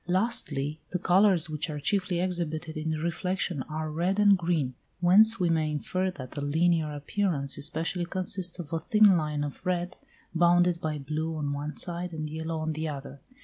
Lastly, the colours which are chiefly exhibited in reflection are red and green, whence we may infer that the linear appearance especially consists of a thin line of red, bounded by blue on one side and yellow on the other.